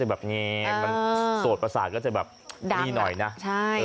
เซียมมันก็จะแบบงี๊ยยยย